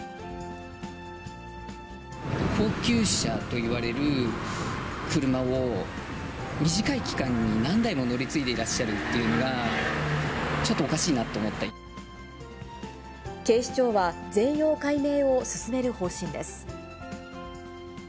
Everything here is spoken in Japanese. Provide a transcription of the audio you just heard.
高級車といわれる車を、短い期間に何台も乗り継いでいらっしゃるというのが、ちょっとお警視庁は、全容解明を進める方針です。